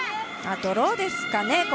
ドローですかね。